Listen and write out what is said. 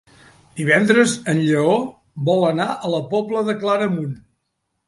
Divendres en Lleó vol anar a la Pobla de Claramunt.